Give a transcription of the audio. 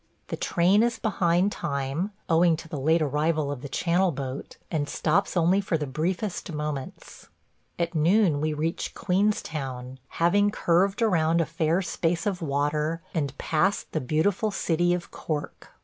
The train is behind time, owing to the late arrival of the Channel boat, and stops only for the briefest moments. At noon we reach Queenstown, having curved around a fair space of water and past the beautiful city of Cork.